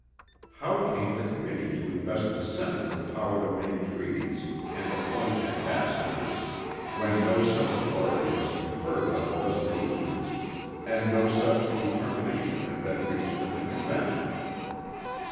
How came the Committee to invest the Senate with power to make treaties and appoint ambassadors when no such authority was conferred by the resolutions and no such determination had been reached in the Convention?